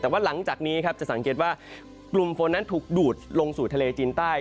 แต่ว่าหลังจากนี้ครับจะสังเกตว่ากลุ่มฝนนั้นถูกดูดลงสู่ทะเลจีนใต้